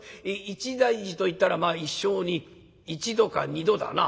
一大事といったらまあ一生に１度か２度だな。